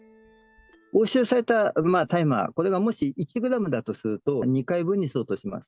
押収された大麻、これがもし１グラムだとすると、２回分に相当します。